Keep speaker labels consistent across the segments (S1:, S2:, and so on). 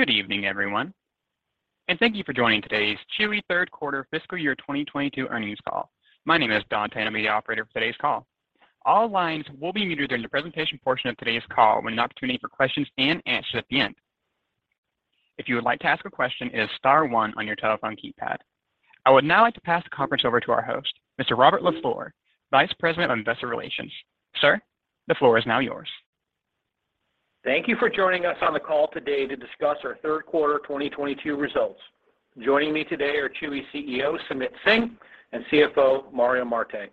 S1: Good evening, everyone, and thank you for joining today's Chewy third quarter fiscal year 2022 earnings call. My name is Don Tano, media operator for today's call. All lines will be muted during the presentation portion of today's call when an opportunity for questions and answers at the end. If you would like to ask a question, it is star one on your telephone keypad. I would now like to pass the conference over to our host, Mr. Robert LaFleur, Vice President of Investor Relations. Sir, the floor is now yours.
S2: Thank you for joining us on the call today to discuss our third quarter 2022 results. Joining me today are Chewy Chief Executive Officer, Sumit Singh, and Chief Financial Officer, Mario Marte.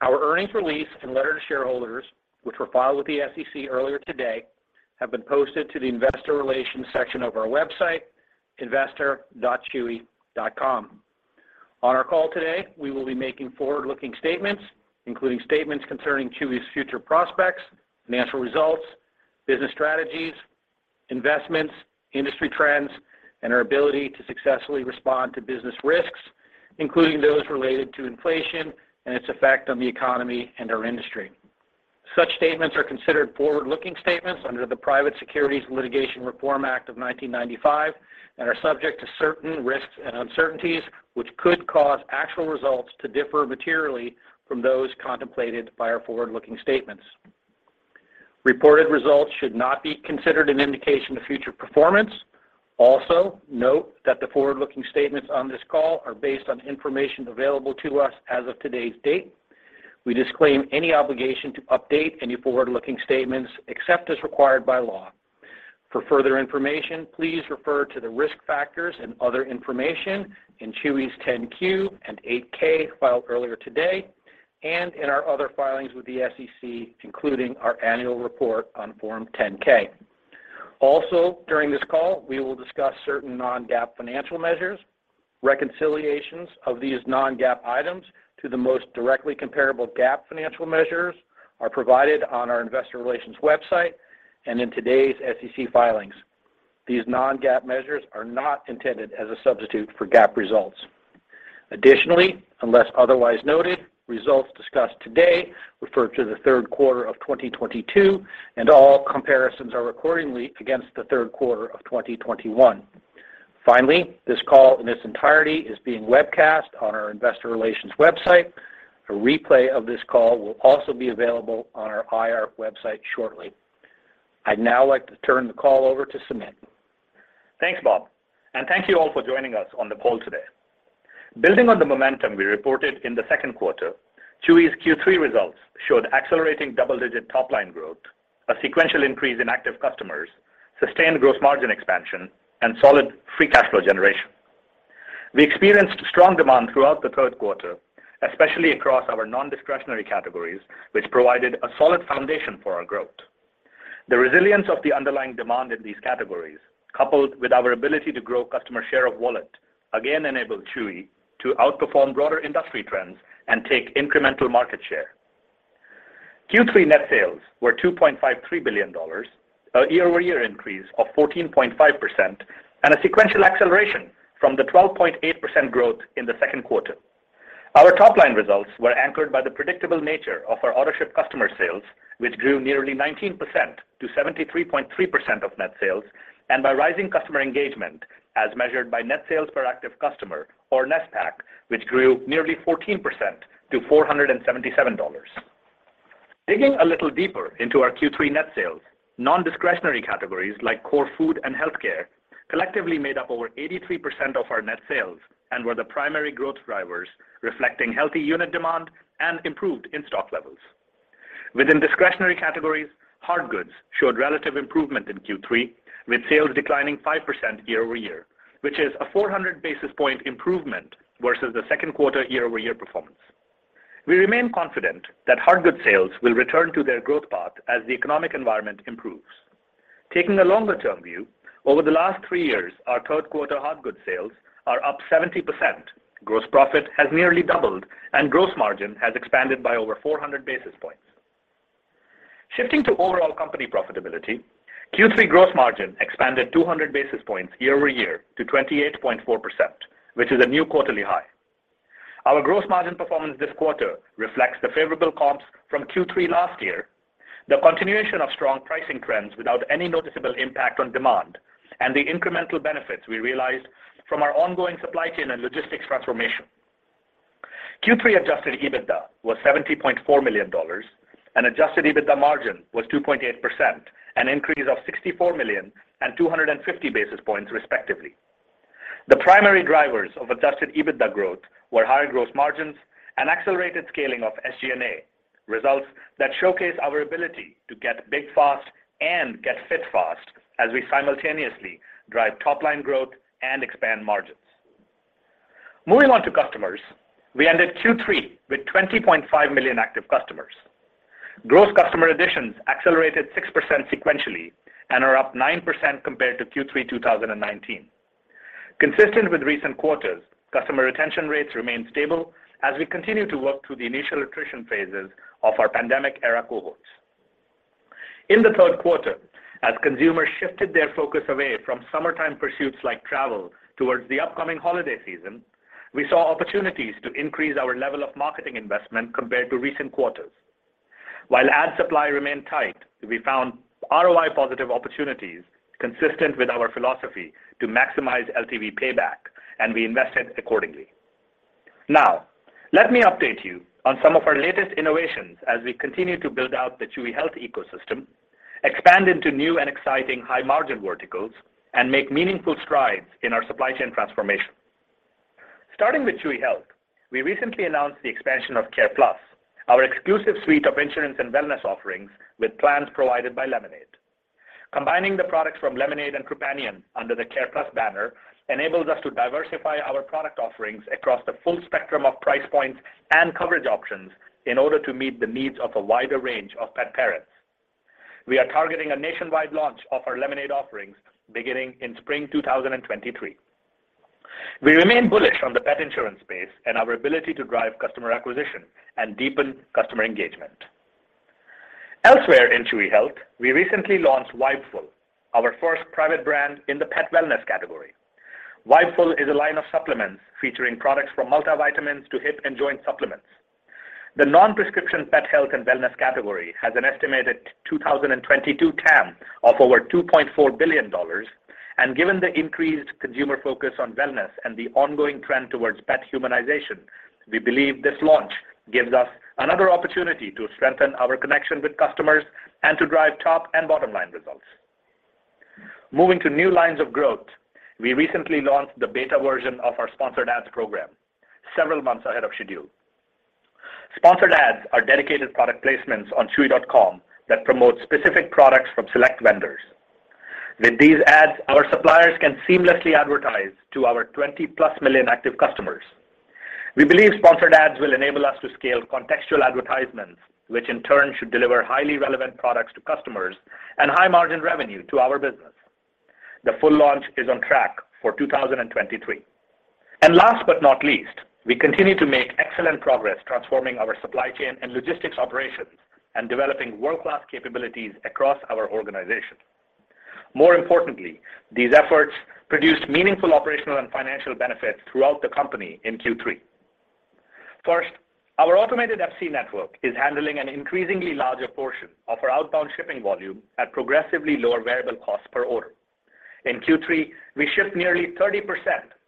S2: Our earnings release and letter to shareholders, which were filed with the SEC earlier today, have been posted to the investor relations section of our website, investor.chewy.com. On our call today, we will be making forward-looking statements, including statements concerning Chewy's future prospects, financial results, business strategies, investments, industry trends, and our ability to successfully respond to business risks, including those related to inflation and its effect on the economy and our industry. Such statements are considered forward-looking statements under the Private Securities Litigation Reform Act of 1995 and are subject to certain risks and uncertainties which could cause actual results to differ materially from those contemplated by our forward-looking statements. Reported results should not be considered an indication of future performance. Also, note that the forward-looking statements on this call are based on information available to us as of today's date. We disclaim any obligation to update any forward-looking statements except as required by law. For further information, please refer to the risk factors and other information in Chewy's 10-Q and 8-K filed earlier today and in our other filings with the SEC, including our annual report on Form 10-K. Also, during this call, we will discuss certain Non-GAAP financial measures. Reconciliations of these Non-GAAP items to the most directly comparable GAAP financial measures are provided on our investor relations website and in today's SEC filings. These Non-GAAP measures are not intended as a substitute for GAAP results. Unless otherwise noted, results discussed today refer to the third quarter of 2022, and all comparisons are accordingly against the third quarter of 2021. This call in its entirety is being webcast on our investor relations website. A replay of this call will also be available on our Investor Relations website shortly. I'd now like to turn the call over to Sumit.
S3: Thanks, Bob. Thank you all for joining us on the call today. Building on the momentum we reported in the second quarter, Chewy's Q3 results showed accelerating double-digit top-line growth, a sequential increase in active customers, sustained gross margin expansion, and solid free cash flow generation. We experienced strong demand throughout the third quarter, especially across our non-discretionary categories, which provided a solid foundation for our growth. The resilience of the underlying demand in these categories, coupled with our ability to grow customer share of wallet, again enabled Chewy to outperform broader industry trends and take incremental market share. Q3 net sales were $2.53 billion, a year-over-year increase of 14.5% and a sequential acceleration from the 12.8% growth in the second quarter. Our top-line results were anchored by the predictable nature of our Autoship customer sales, which grew nearly 19%-73.3% of net sales, and by rising customer engagement as measured by net sales per active customer or NSPAC, which grew nearly 14% to $477. Digging a little deeper into our Q3 net sales, non-discretionary categories like core food and healthcare collectively made up over 83% of our net sales and were the primary growth drivers, reflecting healthy unit demand and improved in-stock levels. Within discretionary categories, hard goods showed relative improvement in Q3, with sales declining 5% year-over-year, which is a 400 basis point improvement versus the second quarter year-over-year performance. We remain confident that hard goods sales will return to their growth path as the economic environment improves. Taking a longer-term view, over the last three years, our third quarter hard goods sales are up 70%, gross profit has nearly doubled, and gross margin has expanded by over 400 basis points. Shifting to overall company profitability, Q3 gross margin expanded 200 basis points year-over-year to 28.4%, which is a new quarterly high. Our gross margin performance this quarter reflects the favorable comps from Q3 last year, the continuation of strong pricing trends without any noticeable impact on demand, and the incremental benefits we realized from our ongoing supply chain and logistics transformation. Q3 adjusted EBITDA was $70.4 million, and adjusted EBITDA margin was 2.8%, an increase of $64 million and 250 basis points, respectively. The primary drivers of adjusted EBITDA growth were higher gross margins and accelerated scaling of SG&A, results that showcase our ability to get big fast and get fit fast as we simultaneously drive top line growth and expand margins. Moving on to customers, we ended Q3 with 20.5 million active customers. Gross customer additions accelerated 6% sequentially and are up 9% compared to Q3 2019. Consistent with recent quarters, customer retention rates remain stable as we continue to work through the initial attrition phases of our pandemic-era cohorts. In the third quarter, as consumers shifted their focus away from summertime pursuits like travel towards the upcoming holiday season, we saw opportunities to increase our level of marketing investment compared to recent quarters. While ad supply remained tight, we found ROI-positive opportunities consistent with our philosophy to maximize LTV payback, and we invested accordingly. Let me update you on some of our latest innovations as we continue to build out the Chewy Health ecosystem, expand into new and exciting high-margin verticals, and make meaningful strides in our supply chain transformation. Starting with Chewy Health, we recently announced the expansion of CarePlus, our exclusive suite of insurance and wellness offerings with plans provided by Lemonade. Combining the products from Lemonade and Trupanion under the CarePlus banner enables us to diversify our product offerings across the full spectrum of price points and coverage options in order to meet the needs of a wider range of pet parents. We are targeting a nationwide launch of our Lemonade offerings beginning in spring 2023. We remain bullish on the pet insurance space and our ability to drive customer acquisition and deepen customer engagement. Elsewhere in Chewy Health, we recently launched Vibeful, our first private brand in the pet wellness category. Vibeful is a line of supplements featuring products from multivitamins to hip and joint supplements. The non-prescription pet health and wellness category has an estimated 2022 TAM of over $2.4 billion. Given the increased consumer focus on wellness and the ongoing trend towards pet humanization, we believe this launch gives us another opportunity to strengthen our connection with customers and to drive top and bottom-line results. Moving to new lines of growth, we recently launched the beta version of our Sponsored Ads program several months ahead of schedule. Sponsored Ads are dedicated product placements on chewy.com that promote specific products from select vendors. With these ads, our suppliers can seamlessly advertise to our 20+ million active customers. We believe Sponsored Ads will enable us to scale contextual advertisements, which in turn should deliver highly relevant products to customers and high-margin revenue to our business. The full launch is on track for 2023. Last but not least, we continue to make excellent progress transforming our supply chain and logistics operations and developing world-class capabilities across our organization. More importantly, these efforts produced meaningful operational and financial benefits throughout the company in Q3. First, our automated FC network is handling an increasingly larger portion of our outbound shipping volume at progressively lower variable costs per order. In Q3, we shipped nearly 30%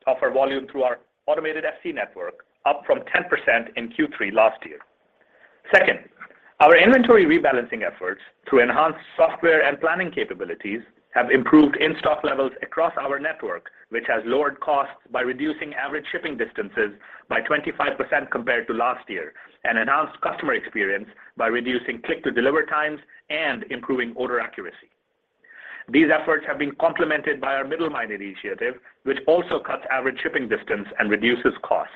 S3: of our volume through our automated FC network, up from 10% in Q3 last year. Second, our inventory rebalancing efforts through enhanced software and planning capabilities have improved in-stock levels across our network, which has lowered costs by reducing average shipping distances by 25% compared to last year and enhanced customer experience by reducing click-to-deliver times and improving order accuracy. These efforts have been complemented by our Middle Mile initiative, which also cuts average shipping distance and reduces costs.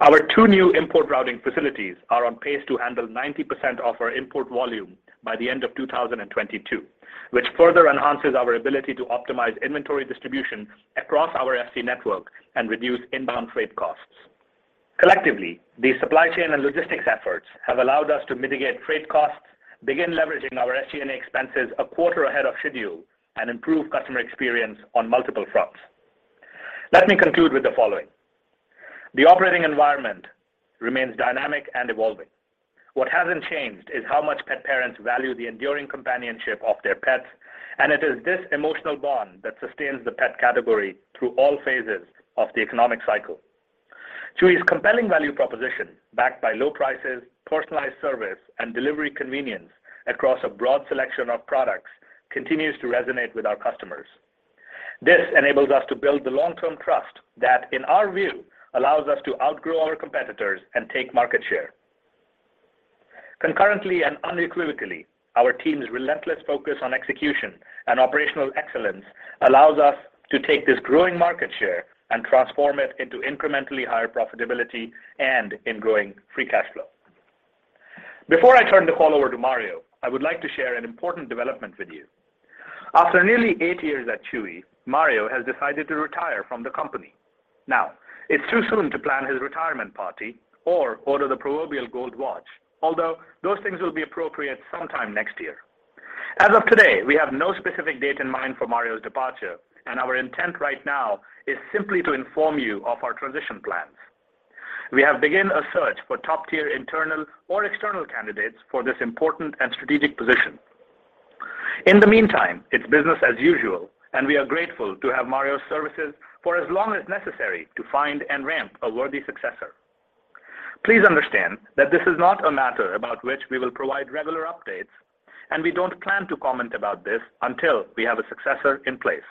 S3: Our two new import routing facilities are on pace to handle 90% of our import volume by the end of 2022, which further enhances our ability to optimize inventory distribution across our FC network and reduce inbound freight costs. Collectively, these supply chain and logistics efforts have allowed us to mitigate freight costs, begin leveraging our SG&A expenses a quarter ahead of schedule, and improve customer experience on multiple fronts. Let me conclude with the following. The operating environment remains dynamic and evolving. What hasn't changed is how much pet parents value the enduring companionship of their pets, and it is this emotional bond that sustains the pet category through all phases of the economic cycle. Chewy's compelling value proposition, backed by low prices, personalized service, and delivery convenience across a broad selection of products, continues to resonate with our customers. This enables us to build the long-term trust that, in our view, allows us to outgrow our competitors and take market share. Concurrently and unequivocally, our team's relentless focus on execution and operational excellence allows us to take this growing market share and transform it into incrementally higher profitability and in growing free cash flow. Before I turn the call over to Mario, I would like to share an important development with you. After nearly 8 years at Chewy, Mario has decided to retire from the company. It's too soon to plan his retirement party or order the proverbial gold watch, although those things will be appropriate sometime next year. As of today, we have no specific date in mind for Mario's departure, and our intent right now is simply to inform you of our transition plans. We have begun a search for top-tier internal or external candidates for this important and strategic position. In the meantime, it's business as usual, and we are grateful to have Mario's services for as long as necessary to find and ramp a worthy successor. Please understand that this is not a matter about which we will provide regular updates, and we don't plan to comment about this until we have a successor in place.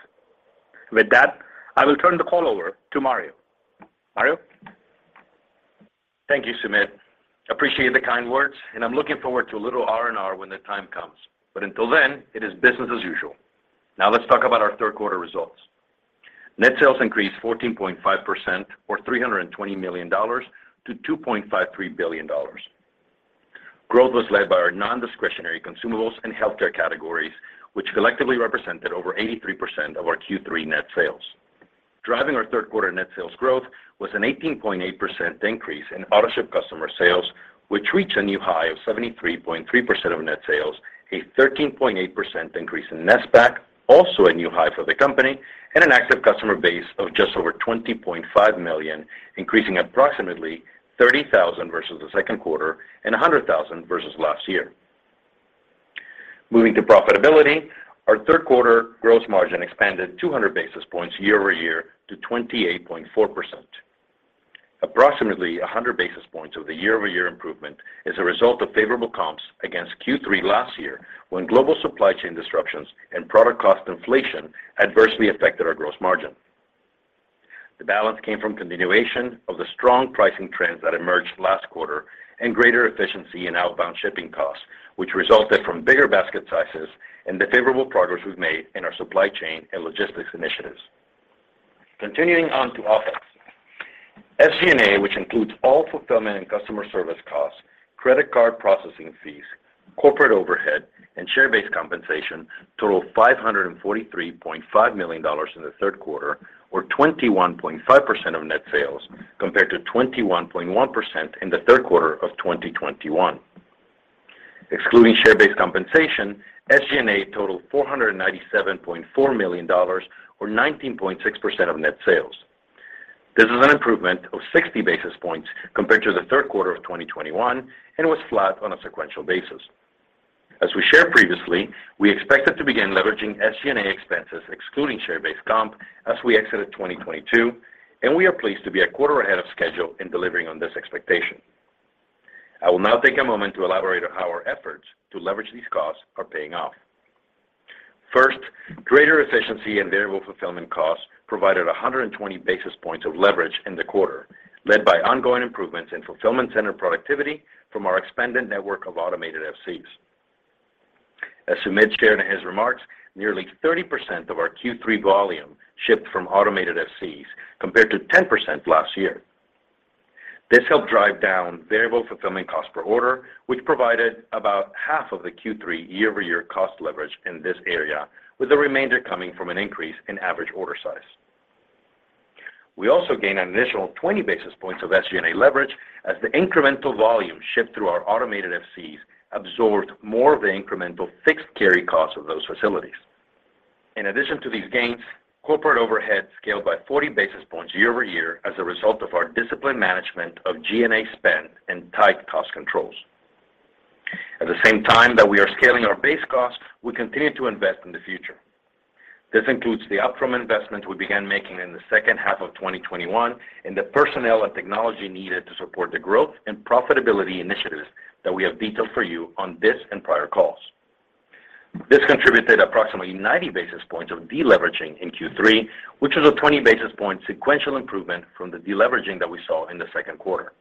S3: With that, I will turn the call over to Mario. Mario?
S4: Thank you, Sumit. Appreciate the kind words, and I'm looking forward to a little R&R when the time comes. Until then, it is business as usual. Let's talk about our third quarter results. Net sales increased 14.5%, or $320 million-$2.53 billion. Growth was led by our nondiscretionary consumables and healthcare categories, which collectively represented over 83% of our Q3 net sales. Driving our third quarter net sales growth was an 18.8% increase in Autoship customer sales, which reached a new high of 73.3% of net sales, a 13.8% increase in NSPAC, also a new high for the company, and an active customer base of just over 20.5 million, increasing approximately 30,000 versus the second quarter and 100,000 versus last year. Moving to profitability, our third quarter gross margin expanded 200 basis points year-over-year to 28.4%. Approximately 100 basis points of the year-over-year improvement is a result of favorable comps against Q3 last year, when global supply chain disruptions and product cost inflation adversely affected our gross margin. The balance came from continuation of the strong pricing trends that emerged last quarter and greater efficiency in outbound shipping costs, which resulted from bigger basket sizes and the favorable progress we've made in our supply chain and logistics initiatives. Continuing on to OpEx. SG&A, which includes all fulfillment and customer service costs, credit card processing fees, corporate overhead, and share-based compensation, totaled $543.5 million in the third quarter, or 21.5% of net sales, compared to 21.1% in the third quarter of 2021. Excluding share-based compensation, SG&A totaled $497.4 million or 19.6% of net sales. This is an improvement of 60 basis points compared to the third quarter of 2021 and was flat on a sequential basis. As we shared previously, we expected to begin leveraging SG&A expenses excluding share-based comp as we exited 2022. We are pleased to be a quarter ahead of schedule in delivering on this expectation. I will now take a moment to elaborate on how our efforts to leverage these costs are paying off. First, greater efficiency and variable fulfillment costs provided 120 basis points of leverage in the quarter, led by ongoing improvements in fulfillment center productivity from our expanded network of automated FCs. As Sumit shared in his remarks, nearly 30% of our Q3 volume shipped from automated FCs, compared to 10% last year. This helped drive down variable fulfillment cost per order, which provided about half of the Q3 year-over-year cost leverage in this area, with the remainder coming from an increase in average order size. We also gained an additional 20 basis points of SG&A leverage as the incremental volume shipped through our automated FCs absorbed more of the incremental fixed carry costs of those facilities. In addition to these gains, corporate overhead scaled by 40 basis points year-over-year as a result of our disciplined management of G&A spend and tight cost controls. At the same time that we are scaling our base costs, we continue to invest in the future. This includes the upfront investment we began making in the second half of 2021 and the personnel and technology needed to support the growth and profitability initiatives that we have detailed for you on this and prior calls. This contributed approximately 90 basis points of deleveraging in Q3, which is a 20 basis point sequential improvement from the deleveraging that we saw in the second quarter.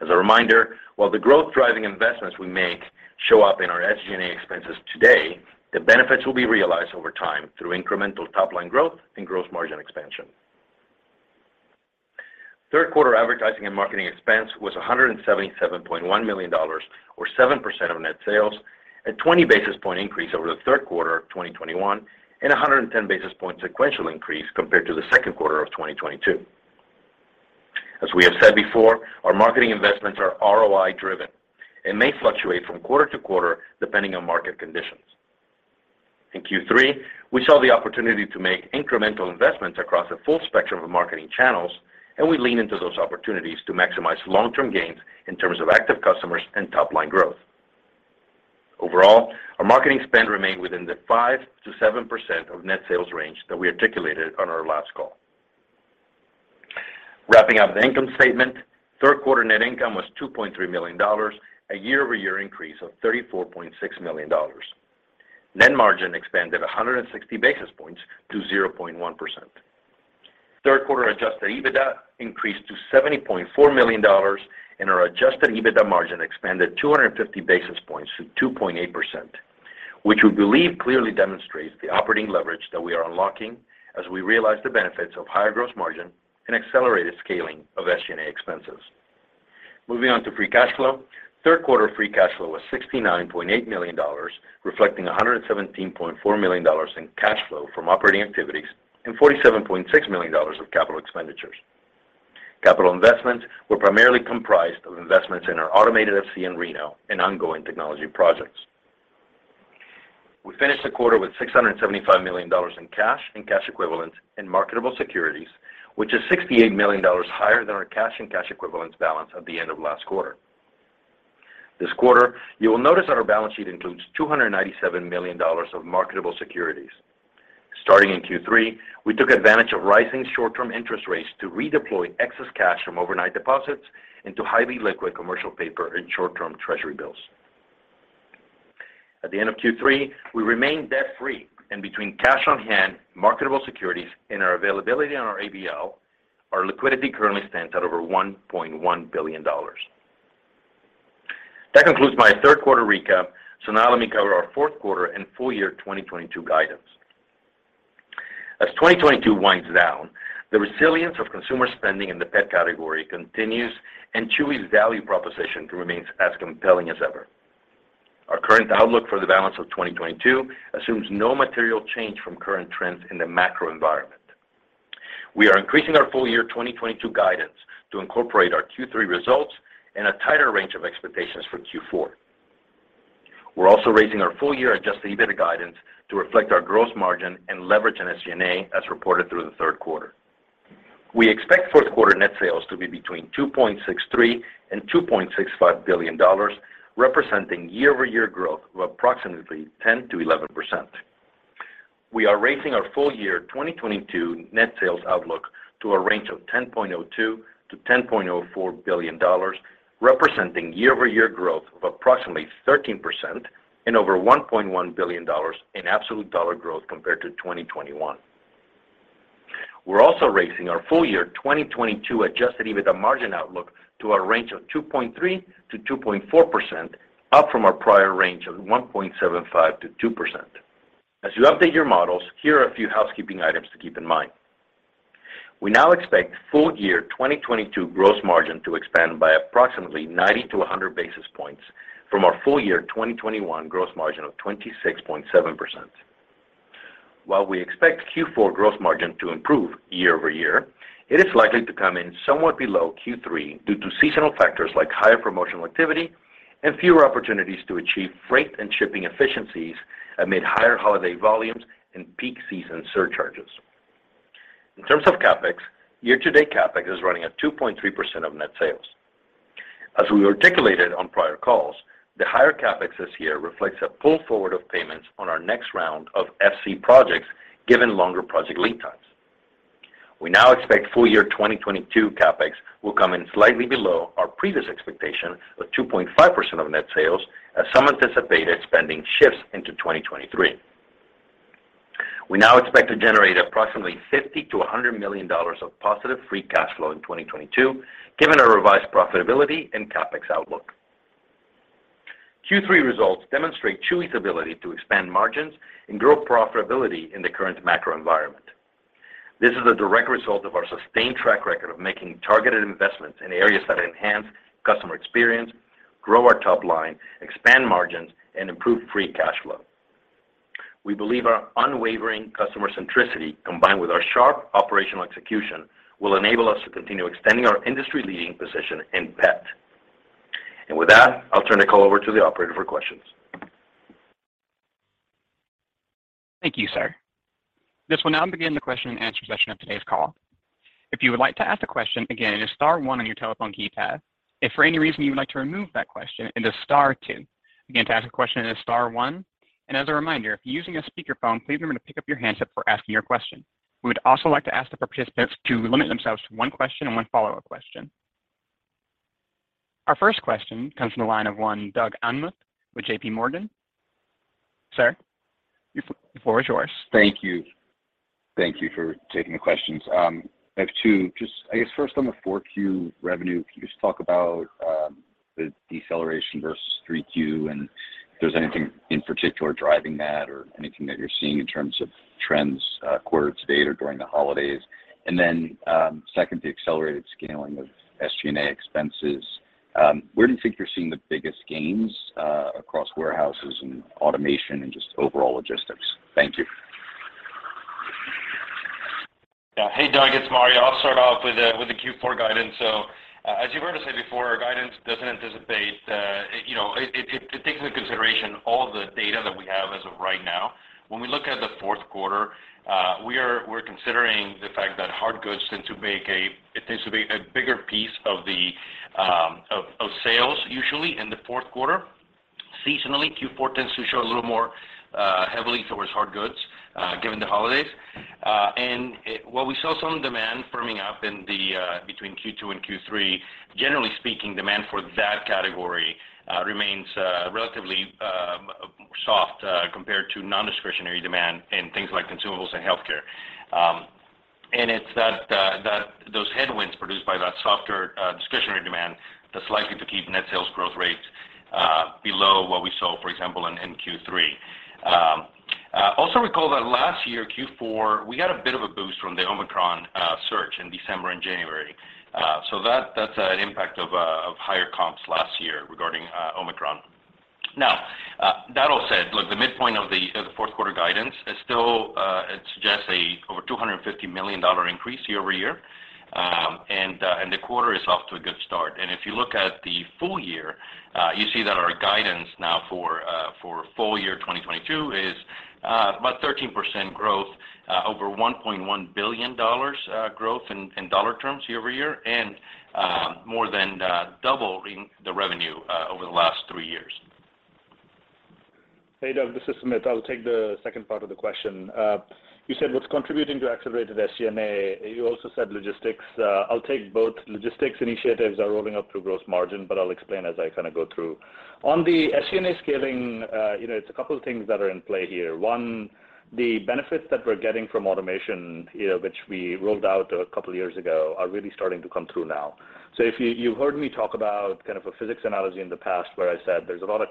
S4: As a reminder, while the growth-driving investments we make show up in our SG&A expenses today, the benefits will be realized over time through incremental top-line growth and gross margin expansion. Third quarter advertising and marketing expense was $177.1 million, or 7% of net sales, a 20 basis point increase over the third quarter of 2021 and a 110 basis point sequential increase compared to the second quarter of 2022. As we have said before, our marketing investments are ROI-driven and may fluctuate from quarter to quarter depending on market conditions. In Q3, we saw the opportunity to make incremental investments across a full spectrum of marketing channels, and we leaned into those opportunities to maximize long-term gains in terms of active customers and top-line growth. Overall, our marketing spend remained within the 5%-7% of net sales range that we articulated on our last call. Wrapping up the income statement, third quarter net income was $2.3 million, a year-over-year increase of $34.6 million. Net margin expanded 160 basis points to 0.1%. Third quarter adjusted EBITDA increased to $70.4 million, and our adjusted EBITDA margin expanded 250 basis points to 2.8%, which we believe clearly demonstrates the operating leverage that we are unlocking as we realize the benefits of higher gross margin and accelerated scaling of SG&A expenses. Moving on to free cash flow. Third quarter free cash flow was $69.8 million, reflecting $117.4 million in cash flow from operating activities and $47.6 million of CapEx. Capital investments were primarily comprised of investments in our automated FC in Reno and ongoing technology projects. We finished the quarter with $675 million in cash and cash equivalents and marketable securities, which is $68 million higher than our cash and cash equivalents balance at the end of last quarter. This quarter, you will notice that our balance sheet includes $297 million of marketable securities. Starting in Q3, we took advantage of rising short-term interest rates to redeploy excess cash from overnight deposits into highly liquid commercial paper and short-term treasury bills. At the end of Q3, we remained debt-free, and between cash on hand, marketable securities, and our availability on our ABL, our liquidity currently stands at over $1.1 billion. That concludes my third quarter recap. Now let me cover our fourth quarter and full year 2022 guidance. As 2022 winds down, the resilience of consumer spending in the pet category continues, and Chewy's value proposition remains as compelling as ever. Our current outlook for the balance of 2022 assumes no material change from current trends in the macro environment. We are increasing our full year 2022 guidance to incorporate our Q3 results and a tighter range of expectations for Q4. We're also raising our full year adjusted EBITDA guidance to reflect our gross margin and leverage in SG&A as reported through the third quarter. We expect fourth quarter net sales to be between $2.63 billion and $2.65 billion, representing year-over-year growth of approximately 10%-11%. We are raising our full year 2022 net sales outlook to a range of $10.02 billion-$10.04 billion, representing year-over-year growth of approximately 13% and over $1.1 billion in absolute dollar growth compared to 2021. We're also raising our full year 2022 adjusted EBITDA margin outlook to a range of 2.3%-2.4%, up from our prior range of 1.75%-2%. As you update your models, here are a few housekeeping items to keep in mind. We now expect full year 2022 gross margin to expand by approximately 90 to 100 basis points from our full year 2021 gross margin of 26.7%. While we expect Q4 gross margin to improve year-over-year, it is likely to come in somewhat below Q3 due to seasonal factors like higher promotional activity and fewer opportunities to achieve freight and shipping efficiencies amid higher holiday volumes and peak season surcharges. In terms of CapEx, year-to-date CapEx is running at 2.3% of net sales. As we articulated on prior calls, the higher CapEx this year reflects a pull forward of payments on our next round of FC projects given longer project lead times. We now expect full year 2022 CapEx will come in slightly below our previous expectation of 2.5% of net sales as some anticipated spending shifts into 2023. We now expect to generate approximately $50 million-$100 million of positive free cash flow in 2022, given our revised profitability and CapEx outlook. Q3 results demonstrate Chewy's ability to expand margins and grow profitability in the current macro environment. This is a direct result of our sustained track record of making targeted investments in areas that enhance customer experience, grow our top line, expand margins, and improve free cash flow. We believe our unwavering customer centricity, combined with our sharp operational execution, will enable us to continue extending our industry-leading position in pet. With that, I'll turn the call over to the operator for questions.
S1: Thank you, sir. This will now begin the question and answer session of today's call. If you would like to ask a question, again, it is star one on your telephone keypad. If for any reason you would like to remove that question, it is star two. Again, to ask a question, it is star one. As a reminder, if you're using a speakerphone, please remember to pick up your handset before asking your question. We would also like to ask the participants to limit themselves to one question and one follow-up question. Our first question comes from the line of one Doug Anmuth with JPMorgan. Sir, the floor is yours.
S5: Thank you. Thank you for taking the questions. I have two. Just, I guess first on the 4Q revenue, can you just talk about the deceleration versus 3Q, and if there's anything in particular driving that or anything that you're seeing in terms of trends, quarter to date or during the holidays? Then, second, the accelerated scaling of SG&A expenses, where do you think you're seeing the biggest gains, across warehouses and automation and just overall logistics? Thank you.
S4: Hey, Doug, it's Mario. I'll start off with the Q4 guidance. As you heard us say before, our guidance doesn't anticipate, you know. It takes into consideration all the data that we have as of right now. When we look at the fourth quarter, we're considering the fact that hard goods tend to be a bigger piece of the of sales usually in the fourth quarter. Seasonally, Q4 tends to show a little more heavily towards hard goods given the holidays. While we saw some demand firming up in the between Q2 and Q3, generally speaking, demand for that category remains relatively soft compared to non-discretionary demand in things like consumables and healthcare. And it's that, those headwinds produced by that softer, discretionary demand that's likely to keep net sales growth rates below what we saw, for example, in Q3. Also recall that last year, Q4, we got a bit of a boost from the Omicron surge in December and January. That's an impact of higher comps last year regarding Omicron. Now, that all said, look, the midpoint of the fourth quarter guidance is still, it suggests a over $250 million increase year-over-year. The quarter is off to a good start. If you look at the full year, you see that our guidance now for full year 2022 is about 13% growth, over $1.1 billion growth in dollar terms year-over-year, and more than doubling the revenue over the last three years.
S3: Hey, Doug, this is Sumit. I'll take the second part of the question. You said what's contributing to accelerated SG&A. You also said logistics. I'll take both. Logistics initiatives are rolling up through gross margin, but I'll explain as I kinda go through. On the SG&A scaling, you know, it's a couple things that are in play here. One, the benefits that we're getting from automation, you know, which we rolled out a couple years ago, are really starting to come through now. If you've heard me talk about kind of a physics analogy in the past, where I said there's a lot of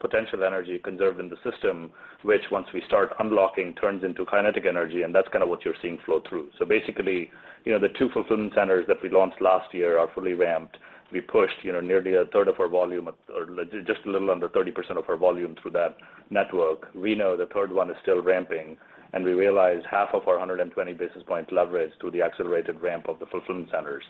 S3: potential energy conserved in the system, which once we start unlocking, turns into kinetic energy, and that's kinda what you're seeing flow through. Basically, you know, the two fulfillment centers that we launched last year are fully ramped. We pushed, you know, nearly a third of our volume or just a little under 30% of our volume through that network. Reno, the third one, is still ramping, we realized half of our 120 basis points leverage through the accelerated ramp of the fulfillment centers.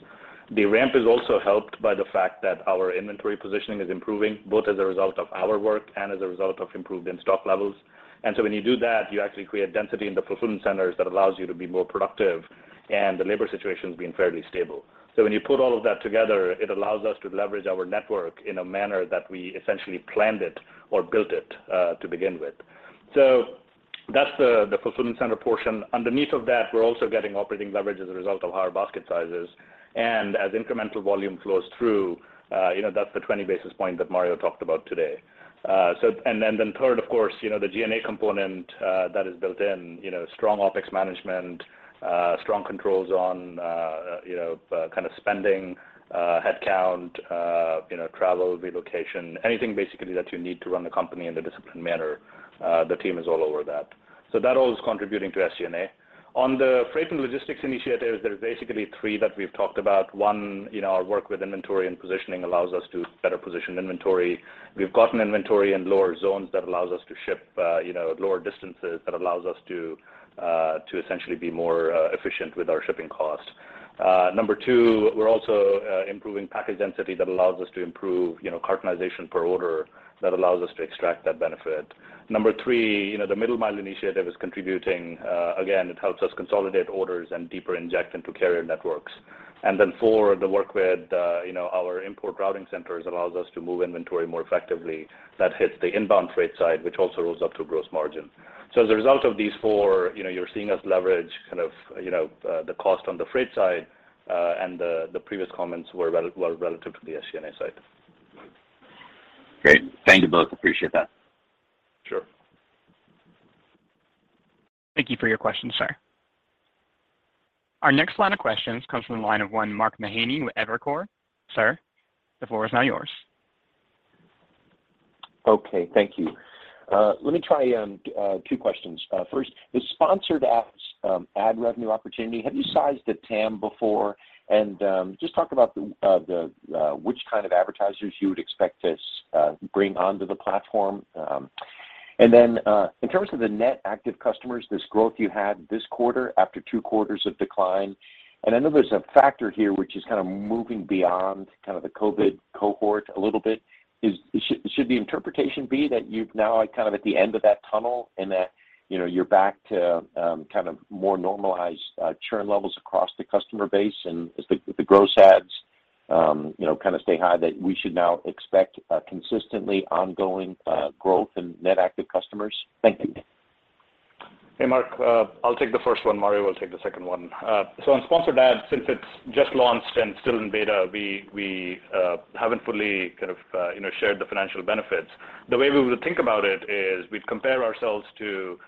S3: The ramp is also helped by the fact that our inventory positioning is improving, both as a result of our work and as a result of improvement in stock levels. When you do that, you actually create density in the fulfillment centers that allows you to be more productive, and the labor situation has been fairly stable. When you put all of that together, it allows us to leverage our network in a manner that we essentially planned it or built it to begin with. That's the fulfillment center portion. Underneath of that, we're also getting operating leverage as a result of higher basket sizes. As incremental volume flows through, you know, that's the 20 basis point that Mario talked about today. Then third, of course, you know, the G&A component that is built in, you know, strong OpEx management, strong controls on, you know, kind of spending, headcount, you know, travel, relocation. Anything basically that you need to run the company in a disciplined manner, the team is all over that. That all is contributing to SG&A. On the freight and logistics initiatives, there is basically three that we've talked about. One, you know, our work with inventory and positioning allows us to better position inventory. We've gotten inventory in lower zones that allows us to ship, you know, lower distances, that allows us to essentially be more efficient with our shipping costs. Number two, we're also improving package density that allows us to improve, you know, cartonization per order that allows us to extract that benefit. Number three, you know, the Middle Mile initiative is contributing, again, it helps us consolidate orders and deeper inject into carrier networks. four, the work with, you know, our import routing centers allows us to move inventory more effectively. That hits the inbound freight side, which also rolls up to gross margin. As a result of these four, you know, you're seeing us leverage kind of, you know, the cost on the freight side, and the previous comments were relative to the SG&A side.
S5: Great. Thank you both. Appreciate that.
S3: Sure.
S1: Thank you for your question, sir. Our next line of questions comes from the line of one Mark Mahaney with Evercore. Sir, the floor is now yours.
S6: Okay. Thank you. Let me try two questions. First, the Sponsored Ads ad revenue opportunity, have you sized the TAM before? Just talk about the which kind of advertisers you would expect this bring onto the platform. In terms of the net active customers, this growth you had this quarter after two quarters of decline, and I know there's a factor here which is kind of moving beyond kind of the COVID cohort a little bit. Should the interpretation be that you've now are kind of at the end of that tunnel and that, you know, you're back to kind of more normalized churn levels across the customer base and as the gross adds, you know, kind of stay high, that we should now expect consistently ongoing growth in net active customers? Thank you.
S3: Hey, Mark. I'll take the first one. Mario will take the second one. On Sponsored Ads, since it's just launched and still in beta, we haven't fully kind of, you know, shared the financial benefits. The way we would think about it is we'd compare ourselves to, you know,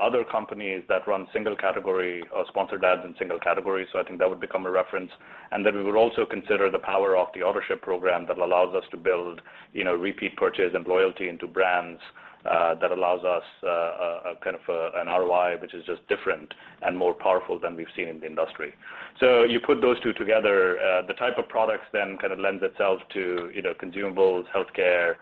S3: other companies that run single category, Sponsored Ads in single categories, I think that would become a reference. Then we would also consider the power of the Autoship program that allows us to build, you know, repeat purchase and loyalty into brands, that allows us, kind of a, an ROI which is just different and more powerful than we've seen in the industry. You put those two together, the type of products then kind of lends itself to, you know, consumables, healthcare,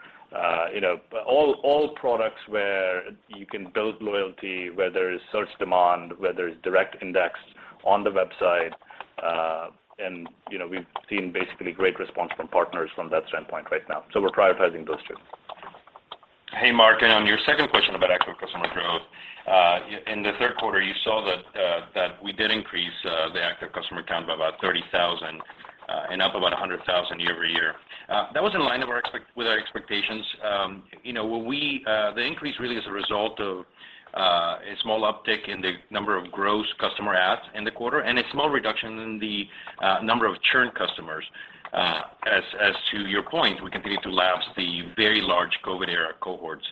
S3: you know, all products where you can build loyalty, where there is search demand, where there is direct index on the website. You know, we've seen basically great response from partners from that standpoint right now. We're prioritizing those two.
S4: Hey, Mark, on your second question about active customer growth, in the third quarter, you saw that we did increase the active customer count by about 30,000, and up about 100,000 active customer count year-over-year. That was in line with our expectations. You know, the increase really is a result of a small uptick in the number of gross customer adds in the quarter and a small reduction in the number of churned customers. As to your point, we continue to lapse the very large COVID era cohorts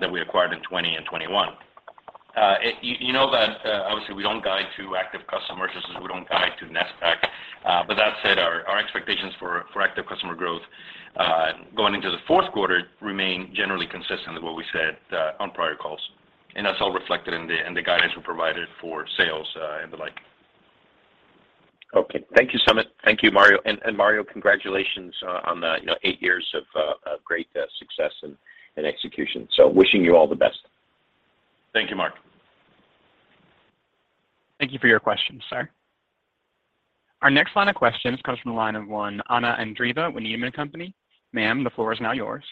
S4: that we acquired in 2020 and 2021. You know that, obviously, we don't guide to active customers just as we don't guide to NSPAC. That said, our expectations for active customer growth, going into the fourth quarter remain generally consistent with what we said on prior calls, and that's all reflected in the guidance we provided for sales and the like.
S6: Okay. Thank you, Sumit. Thank you, Mario. Mario, congratulations, on the, you know, eight years of great success and execution. Wishing you all the best.
S4: Thank you, Mark.
S1: Thank you for your question, sir. Our next line of questions comes from the line of one Anna Andreeva with Needham & Company. Ma'am, the floor is now yours.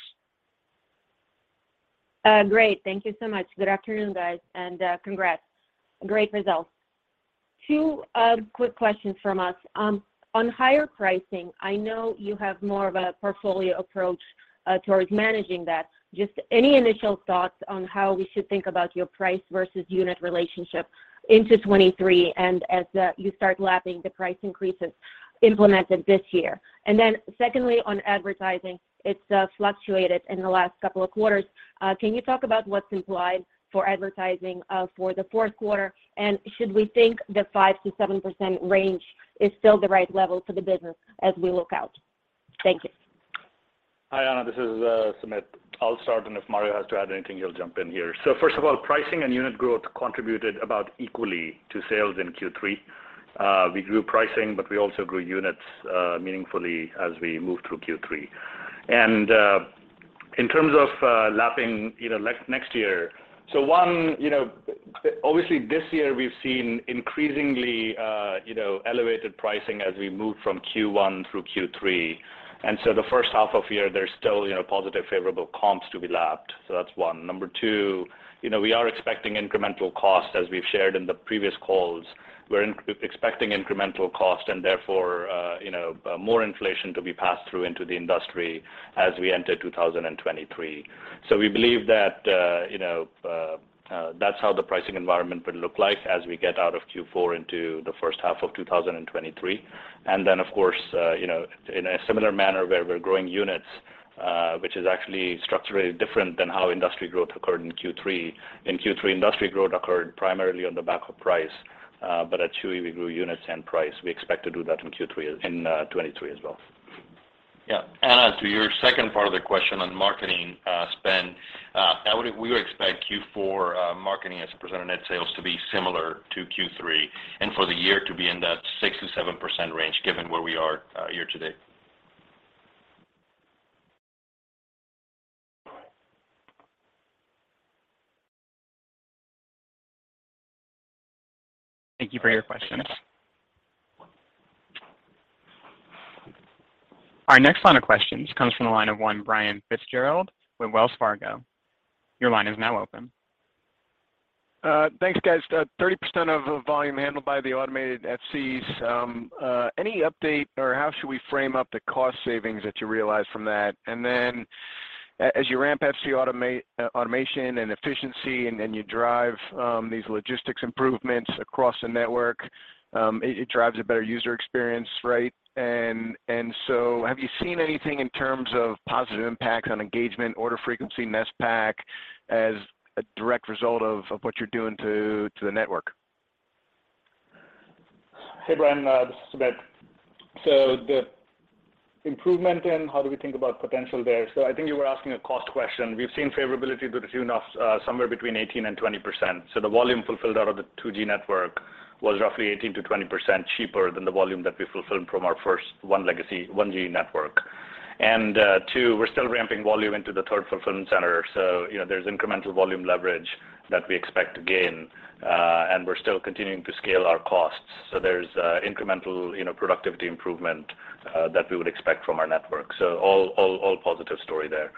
S7: Great. Thank you so much. Good afternoon, guys, and congrats. Great results. Two quick questions from us. On higher pricing, I know you have more of a portfolio approach towards managing that. Just any initial thoughts on how we should think about your price versus unit relationship into 2023 and as you start lapping the price increases implemented this year? Secondly, on advertising, it's fluctuated in the last couple of quarters. Can you talk about what's implied for advertising for the fourth quarter? Should we think the 5%-7% range is still the right level for the business as we look out? Thank you.
S3: Hi, Anna. This is Sumit. I'll start, and if Mario has to add anything, he'll jump in here. First of all, pricing and unit growth contributed about equally to sales in Q3. We grew pricing, but we also grew units meaningfully as we moved through Q3. In terms of lapping, you know, like next year, one, you know, obviously this year we've seen increasingly, you know, elevated pricing as we move from Q1 through Q3. The first half of the year, there's still, you know, positive favorable comps to be lapped. That's one. Number two, you know, we are expecting incremental costs, as we've shared in the previous calls. We're expecting incremental cost and therefore, you know, more inflation to be passed through into the industry as we enter 2023. We believe that, you know, that's how the pricing environment will look like as we get out of Q4 into the first half of 2023. Of course, you know, in a similar manner where we're growing units, which is actually structurally different than how industry growth occurred in Q3. In Q3, industry growth occurred primarily on the back of price, but at Chewy, we grew units and price. We expect to do that in Q3 in 2023 as well.
S4: Yeah. As to your second part of the question on marketing spend, we would expect Q4 marketing as a % of net sales to be similar to Q3 and for the year to be in that 6%-7% range, given where we are year to date.
S1: Thank you for your questions. Our next line of questions comes from the line of one Brian Fitzgerald with Wells Fargo. Your line is now open.
S8: Thanks, guys. 30% of the volume handled by the automated FCs, any update or how should we frame up the cost savings that you realize from that? As you ramp FC automation and efficiency, then you drive these logistics improvements across the network, it drives a better user experience, right? Have you seen anything in terms of positive impact on engagement, order frequency, NSPAC as a direct result of what you're doing to the network?
S3: Hey, Brian, this is Sumit. The improvement and how do we think about potential there. I think you were asking a cost question. We've seen favorability to the tune of somewhere between 18% and 20%. The volume fulfilled out of the 2G network was roughly 18%-20% cheaper than the volume that we fulfilled from our first one legacy, 1G network. And, two, we're still ramping volume into the third fulfillment center. You know, there's incremental volume leverage that we expect to gain, and we're still continuing to scale our costs. There's incremental, you know, productivity improvement that we would expect from our network. All positive story there.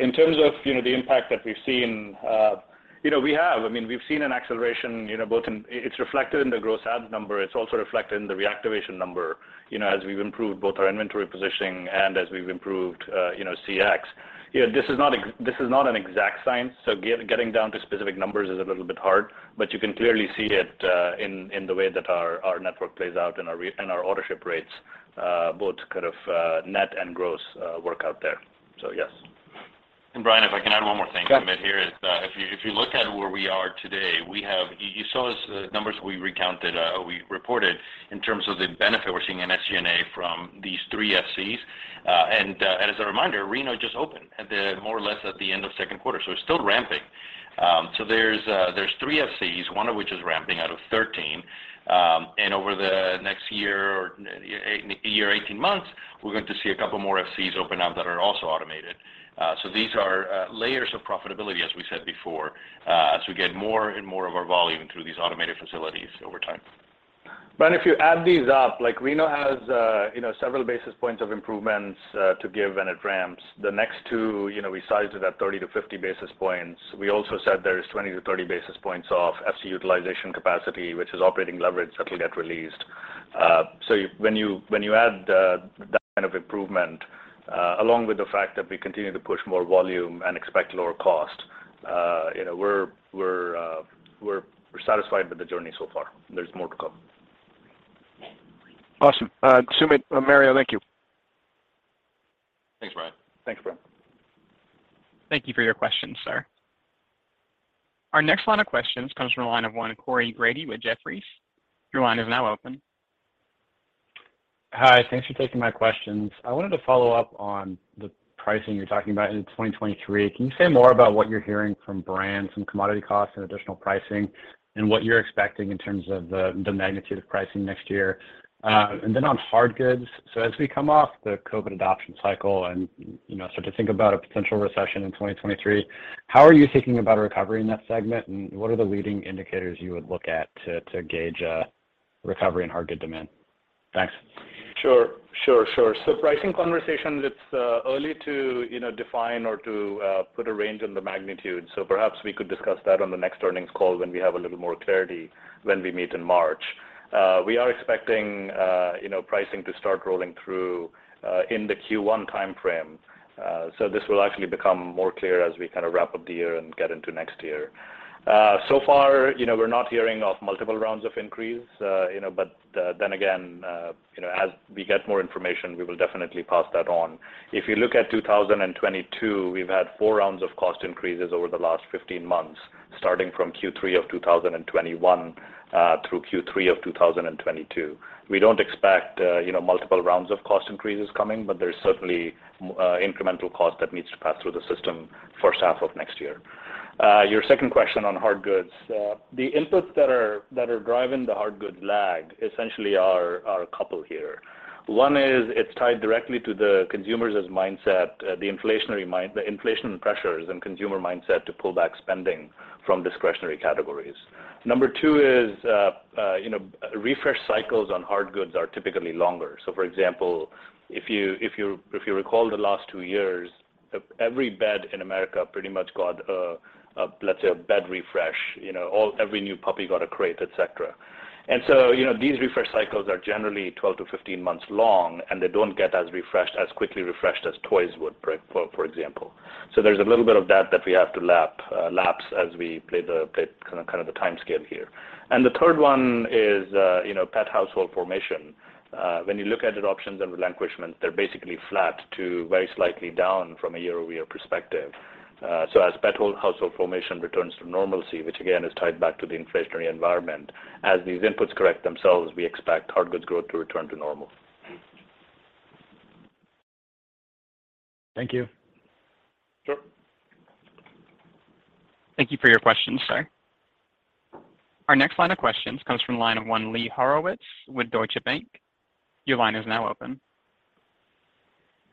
S3: In terms of, you know, the impact that we've seen, you know, we have. I mean, we've seen an acceleration, you know, both in it's reflected in the gross add number. It's also reflected in the reactivation number, you know, as we've improved both our inventory positioning and as we've improved, you know, CX. You know, this is not an exact science, so getting down to specific numbers is a little bit hard. you can clearly see it in the way that our network plays out and our order ship rates, both kind of, net and gross, work out there. yes.
S4: Brian, if I can add one more thing.
S8: Sure
S4: Sumit, here is, if you, if you look at where we are today, you saw us numbers we recounted, or we reported in terms of the benefit we're seeing in SG&A from these three FCs. As a reminder, Reno just opened at the more or less at the end of second quarter, so it's still ramping. There's three FCs, one of which is ramping out of 13. Over the next year, 18 months, we're going to see a couple more FCs open up that are also automated. These are layers of profitability, as we said before, as we get more and more of our volume through these automated facilities over time.
S3: Brian, if you add these up, like Reno has, you know, several basis points of improvements to give and it ramps. The next two, you know, we sized it at 30 basis points-50 basis points. We also said there is 20 basis points-30 basis points off FC utilization capacity, which is operating leverage that will get released. When you, when you add the, that kind of improvement, along with the fact that we continue to push more volume and expect lower cost, you know, we're satisfied with the journey so far. There's more to come.
S8: Awesome. Sumit, Mario, thank you.
S4: Thanks, Brian.
S3: Thanks, Brian.
S1: Thank you for your questions, sir. Our next line of questions comes from the line of one Corey Grady with Jefferies. Your line is now open.
S9: Hi. Thanks for taking my questions. I wanted to follow up on the pricing you're talking about into 2023. Can you say more about what you're hearing from brands and commodity costs and additional pricing and what you're expecting in terms of the magnitude of pricing next year? Then on hard goods, so as we come off the COVID adoption cycle and, you know, start to think about a potential recession in 2023, how are you thinking about a recovery in that segment, and what are the leading indicators you would look at to gauge recovery in hard good demand? Thanks.
S3: Sure. Sure. Sure. Pricing conversations, it's early to, you know, define or to put a range on the magnitude. Perhaps we could discuss that on the next earnings call when we have a little more clarity when we meet in March. We are expecting, you know, pricing to start rolling through in the Q1 timeframe. This will actually become more clear as we kind of wrap up the year and get into next year. So far, you know, we're not hearing of multiple rounds of increase, you know, then again, you know, as we get more information, we will definitely pass that on. If you look at 2022, we've had four rounds of cost increases over the last 15 months, starting from Q3 of 2021 through Q3 of 2022. We don't expect, you know, multiple rounds of cost increases coming, but there's certainly incremental cost that needs to pass through the system first half of next year. Your second question on hard goods. The inputs that are driving the hard goods lag essentially are a couple here. One is it's tied directly to the consumers' mindset, the inflationary pressures and consumer mindset to pull back spending from discretionary categories. Two is, you know, refresh cycles on hard goods are typically longer. For example, if you recall the last two years, every bed in America pretty much got a, let's say a bed refresh. You know, every new puppy got a crate, et cetera. You know, these refresh cycles are generally 12 months-15 months long, and they don't get as refreshed, as quickly refreshed as toys would for example. There's a little bit of that that we have to lap, lapse as we play the kind of timescale here. The third one is, you know, pet household formation. When you look at adoptions and relinquishment, they're basically flat to very slightly down from a year-over-year perspective. As pet household formation returns to normalcy, which again is tied back to the inflationary environment, as these inputs correct themselves, we expect hard goods growth to return to normal.
S9: Thank you.
S3: Sure.
S1: Thank you for your questions, sir. Our next line of questions comes from line of one, Lee Horowitz with Deutsche Bank. Your line is now open.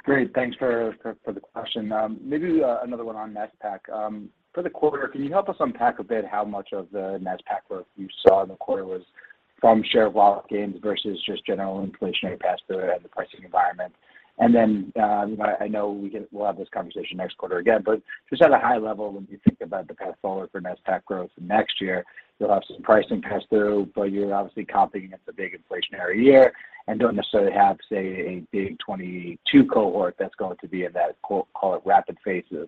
S10: Great. Thanks for the question. Maybe another one on NSPAC. For the quarter, can you help us unpack a bit how much of the NSPAC growth you saw in the quarter was from share of wallet gains versus just general inflationary pass-through and the pricing environment? Then, you know, I know we'll have this conversation next quarter again, but just at a high level, when you think about the path forward for NSPAC growth next year, you'll have some pricing pass-through, but you're obviously copying against a big inflationary year and don't necessarily have, say, a big 2022 cohort that's going to be in that quote, call it rapid phase of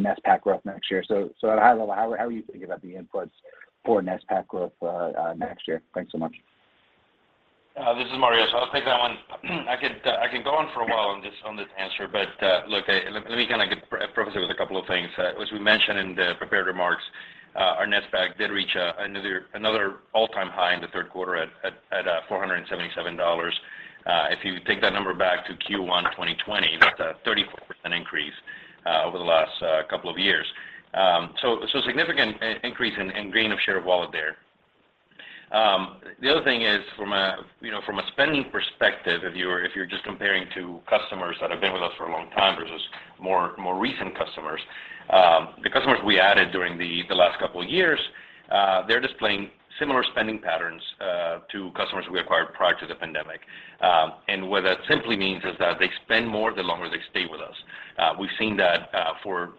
S10: NSPAC growth next year. At a high level, how are you thinking about the inputs for NSPAC growth next year? Thanks so much.
S4: This is Mario. I'll take that one. I can go on for a while on this, on this answer, but, look, let me kind of preface it with a couple of things. As we mentioned in the prepared remarks, our NSPAC did reach another all-time high in the third quarter at $477. If you take that number back to Q1 2020, that's a 34% increase over the last couple of years. So, significant increase in gain of share of wallet there. The other thing is from a spending perspective, if you're just comparing to customers that have been with us for a long time versus more recent customers, the customers we added during the last couple of years, they're displaying similar spending patterns to customers we acquired prior to the pandemic. What that simply means is that they spend more the longer they stay with us. We've seen that for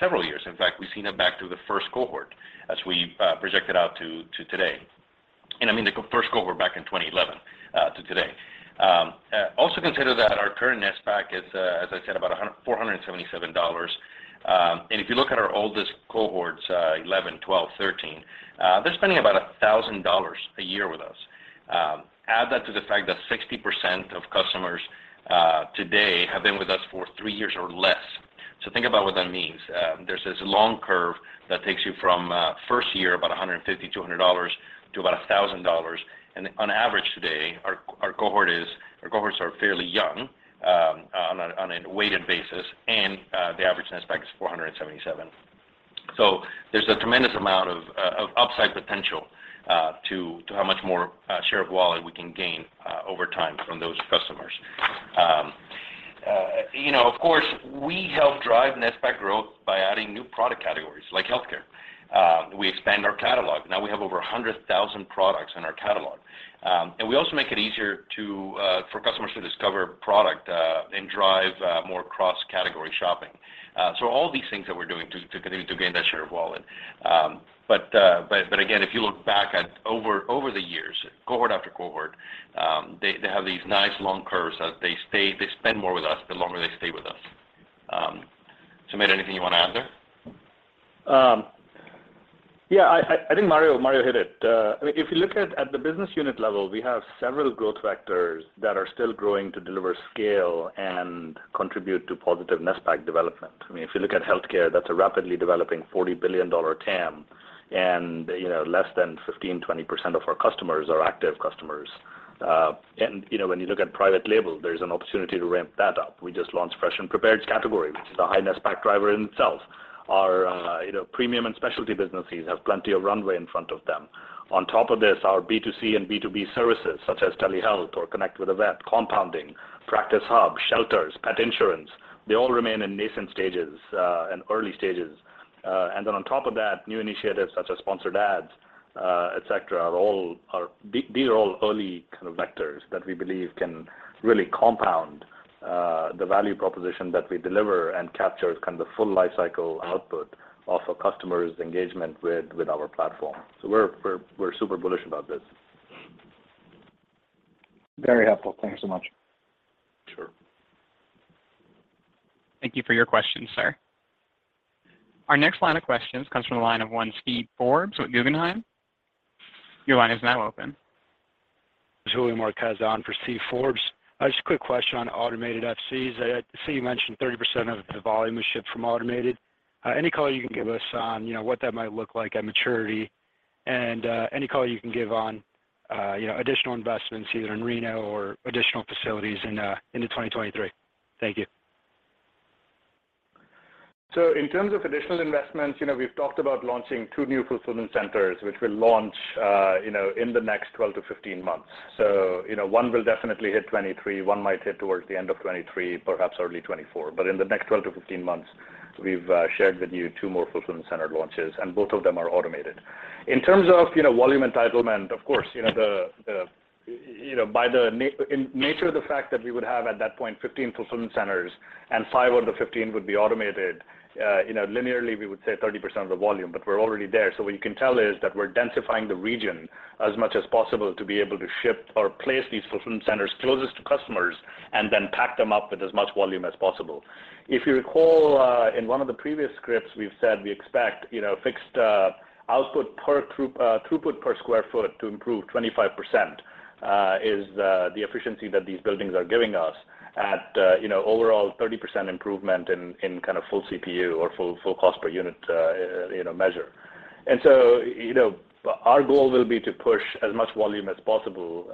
S4: several years. In fact, we've seen it back to the first cohort as we projected out to today. I mean, the first cohort back in 2011 to today. Also consider that our current NSPAC is, as I said, about $477. If you look at our oldest cohorts, cohort 11, cohort 12, cohort 13, they're spending about $1,000 a year with us. Add that to the fact that 60% of customers today have been with us for three years or less. Think about what that means. There's this long curve that takes you from first year about $150, $200 to about $1,000. On average today, our cohorts are fairly young on a weighted basis, the average NSPAC is $477. There's a tremendous amount of upside potential to how much more share of wallet we can gain over time from those customers. You know, of course, we help drive NSPAC growth by adding new product categories like healthcare. We expand our catalog. Now we have over 100,000 products in our catalog. We also make it easier for customers to discover product and drive more cross-category shopping. All these things that we're doing to continue to gain that share of wallet. Again, if you look back at over the years, cohort after cohort, they have these nice long curves that they spend more with us the longer they stay with us. Sumit, anything you wanna add there?
S3: Yeah, I think Mario hit it. I mean, if you look at the business unit level, we have several growth vectors that are still growing to deliver scale and contribute to positive NSPAC development. I mean, if you look at healthcare, that's a rapidly developing $40 billion TAM, and, you know, less than 15%, 20% of our customers are active customers. You know, when you look at private label, there's an opportunity to ramp that up. We just launched fresh and prepared category, which is a high NSPAC driver in itself. Our, you know, premium and specialty businesses have plenty of runway in front of them. On top of this, our B2C and B2B services, such as telehealth or Connect with a Vet, compounding, Practice Hub, shelters, pet insurance, they all remain in nascent stages and early stages. On top of that, new initiatives such as Sponsored Ads, et cetera, these are all early kind of vectors that we believe can really compound, the value proposition that we deliver and capture kind of the full life cycle output of a customer's engagement with our platform. We're, we're super bullish about this.
S10: Very helpful. Thank you so much.
S3: Sure.
S1: Thank you for your question, sir. Our next line of questions comes from the line of one Steven Forbes with Guggenheim. Your line is now open.
S11: This is Julio Marquez on for Steven Forbes. Just a quick question on automated FCs. I see you mentioned 30% of the volume was shipped from automated. Any color you can give us on, you know, what that might look like at maturity? Any color you can give on, you know, additional investments either in Reno or additional facilities in, into 2023. Thank you.
S3: In terms of additional investments, you know, we've talked about launching two new fulfillment centers, which will launch, you know, in the next 12 months-15 months. You know, one will definitely hit 2023. 1 might hit towards the end of 2023, perhaps early 2024. In the next 12 months-15 months, we've shared with you two more fulfillment center launches, and both of them are automated. In terms of, you know, volume entitlement, of course, you know, by the in nature of the fact that we would have, at that point, 15 fulfillment centers and five of the 15 fulfillment centers would be automated, you know, linearly, we would say 30% of the volume, but we're already there. What you can tell is that we're densifying the region as much as possible to be able to ship or place these fulfillment centers closest to customers and then pack them up with as much volume as possible. If you recall, in one of the previous scripts, we've said we expect, you know, fixed output per throughput per square foot to improve 25%, is the efficiency that these buildings are giving us at, you know, overall 30% improvement in kind of full CPU or full cost per unit, you know, measure. Our goal will be to push as much volume as possible.